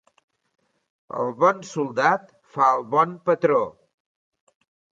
El bon soldat fa el bon patró.